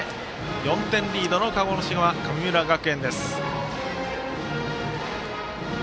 ４点リードの鹿児島、神村学園。